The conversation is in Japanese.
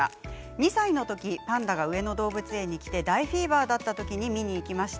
２歳の時、パンダが上野動物園に来て大フィーバーだった時に見に行きました。